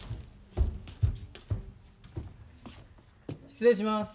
失礼します。